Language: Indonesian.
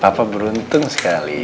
papa beruntung sekali